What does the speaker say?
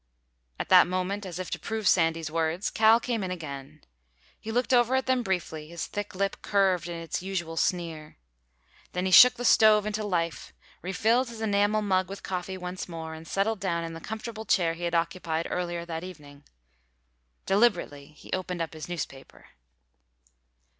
At that moment, as if to prove Sandy's words, Cal came in again. He looked over at them briefly, his thick lip curved in its usual sneer. Then he shook the stove into life, refilled his enamel mug with coffee once more, and settled down in the comfortable chair he had occupied earlier that evening. Deliberately he opened up his newspaper.